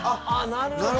なるほど。